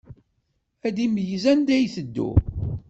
Ad imeyyez anda iteddu.